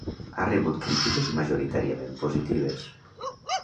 Ha rebut crítiques majoritàriament positives.